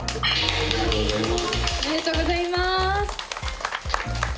おめでとうございます。